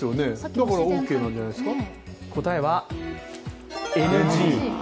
だからオーケーなんじゃないですか？